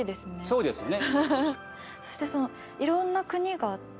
そうですね。